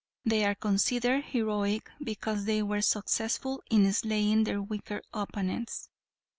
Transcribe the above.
They are considered heroic because they were successful in slaying their weaker opponents.